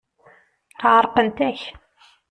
Ɛerqent-ak.